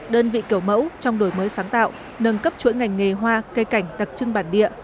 đơn vị kiểu mẫu trong đổi mới sáng tạo nâng cấp chuỗi ngành nghề hoa cây cảnh đặc trưng bản địa